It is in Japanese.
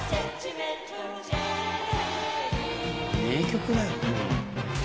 名曲だよ。